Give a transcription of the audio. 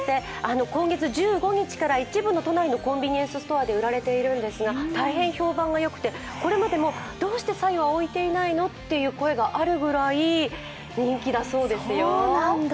今月１５日から一部の都内のコンビニエンスストアで売られているんですが、大変評判がよくて、これまでもどうしてさ湯は置いていないのという声があるくらい人気だそうですよ。